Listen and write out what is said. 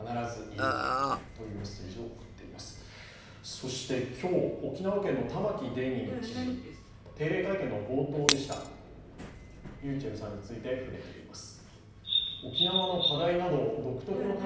そして今日、沖縄県の玉城デニー知事、定例会見の冒頭でした、ｒｙｕｃｈｅｌｌさんについて触れています。